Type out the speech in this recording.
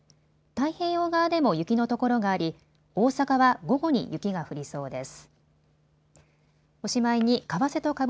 太平洋側でも雪の所があり、大阪は午後に雪が降りそうです。